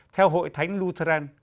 theo hội thánh lutheran